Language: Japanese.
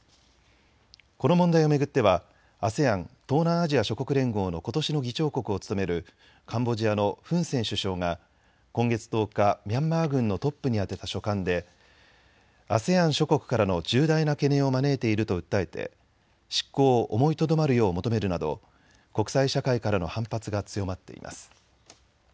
この問題を巡ってはＡＳＥＡＮ・東南アジア諸国連合のことしの議長国を務めるカンボジアのフン・セン首相が今月１０日、ミャンマー軍のトップに宛てた書簡でＡＳＥＡＮ諸国からの重大な懸念を招いていると訴えて執行を思いとどまるよう求めるなど国際社会からの反発が強まっています。